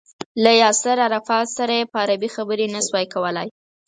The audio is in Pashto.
له ياسر عرفات سره په عربي خبرې نه شوای کولای.